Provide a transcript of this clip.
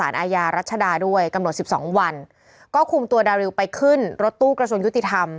ใครจะถ่ายใครจะตายไปติด